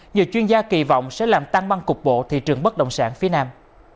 nhiều chuyên gia kỳ vọng sẽ làm tăng măng cục bộ thị trường bất động sản phía nam